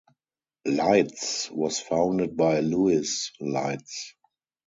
Leitz was founded by Louis Leitz.